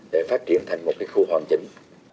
để phát triển thành một khu hoàn chỉnh